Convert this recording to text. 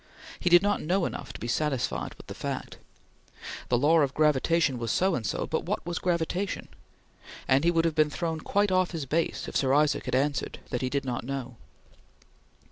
He did not know enough to be satisfied with the fact. The Law of Gravitation was so and so, but what was Gravitation? and he would have been thrown quite off his base if Sir Isaac had answered that he did not know.